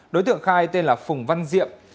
đối tượng khai tên là phùng văn diệm